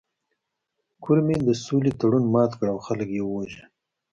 کرمي د سولې تړون مات کړ او خلک یې ووژل